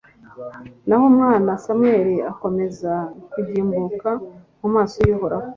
naho umwana samweli akomeza kugimbuka mu maso y'uhoraho